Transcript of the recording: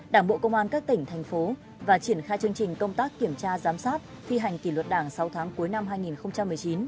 đảng bộ công an các tỉnh thành phố và triển khai chương trình công tác kiểm tra giám sát thi hành kỷ luật đảng sáu tháng cuối năm hai nghìn một mươi chín